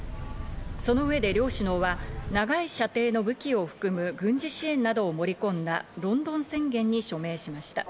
その上で両首脳は、長い射程の武器を含む、軍事支援などを盛り込んだロンドン宣言に署名しました。